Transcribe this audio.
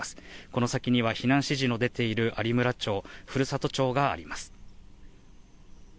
この先には避難指示の出ている有村町、古里町があります。